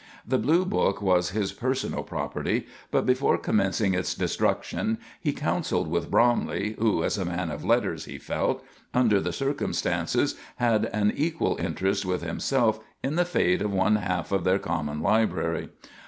The Blue Book was his personal property, but before commencing its destruction he counseled with Bromley, who, as a man of letters, he felt, under the circumstances, had an equal interest with himself in the fate of one half of their common library.